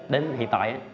đến hiện tại